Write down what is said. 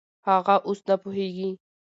هغه اوس نه پوهېږي.